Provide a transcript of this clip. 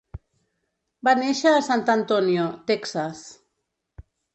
Va néixer a Sant Antonio, Texas.